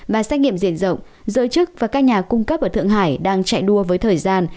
và xét nghiệm diện rộng giới chức và các nhà cung cấp ở thượng hải đang chạy đua với thời gian